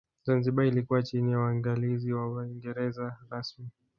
Zanzibar ilikuwa chini ya uangalizi wa Waingereza rasmi